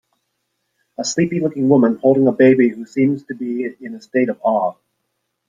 A sleepy looking woman holding a baby who seems to be in a state of awe.